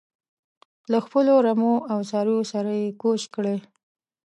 له خپلو رمو او څارویو سره یې کوچ کړی.